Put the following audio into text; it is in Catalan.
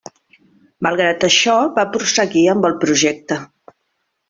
Malgrat això va prosseguir amb el projecte.